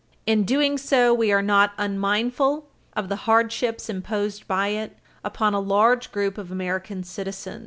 In doing so, we are not unmindful of the hardships imposed by it upon a large group of American citizens.